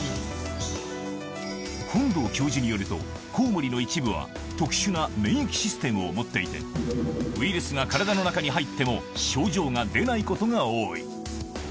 本道教授によると、コウモリの一部は、特殊な免疫システムを持っていて、ウイルスが体の中に入っても症状が出ないことが多い。